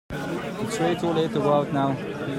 It's way too late to go out now.